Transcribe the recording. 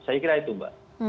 saya kira itu mbak